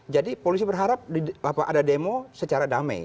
jadi polisi berharap ada demo secara damai